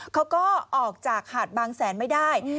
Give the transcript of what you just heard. เขาก็ออกจากหาดบางแสนไม่ได้